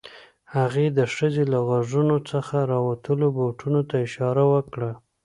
هغې د ښځې له غوږونو څخه راوتلو بوټو ته اشاره وکړه